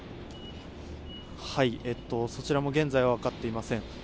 そちらも現在分かっていません。